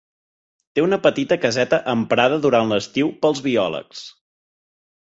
Té una petita caseta emprada durant l'estiu pels biòlegs.